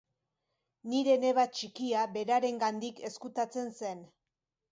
Nire neba txikia berarengandik ezkutatzen zen.